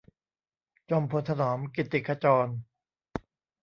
จอมพลถนอม กิตติขจร